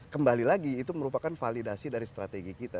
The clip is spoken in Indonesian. kembali lagi itu merupakan validasi dari strategi kita